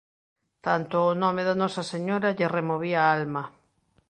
Tanto o nome da Nosa Señora lle removía a alma.